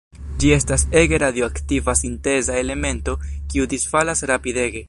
Ĝi estas ege radioaktiva sinteza elemento, kiu disfalas rapidege.